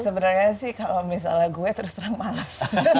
sebenernya sih kalau misalnya gue terus terang males